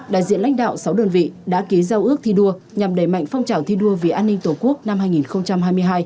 đại diện lãnh đạo sáu đơn vị đã ký giao ước thi đua nhằm đẩy mạnh phong trào thi đua vì an ninh tổ quốc năm hai nghìn hai mươi hai